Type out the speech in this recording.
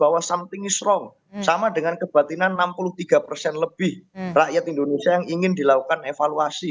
kalau sesuatu yang salah sama dengan kebatinan enam puluh tiga lebih rakyat indonesia yang ingin dilakukan evaluasi